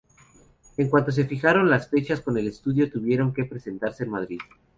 En cuanto se fijaron las fechas con el estudio tuvieron que presentarse en Madrid.